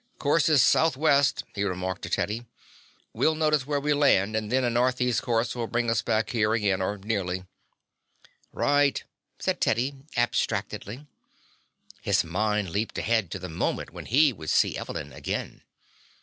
"Course is southwest," he remarked to Teddy. "We'll notice where we land and then a northeast course will bring us back here again or nearly." "Right," said Teddy abstractedly. His mind leaped ahead to the moment when he would see Evelyn again.